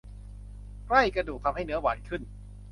ใกล้กระดูกทำให้เนื้อหวานขึ้น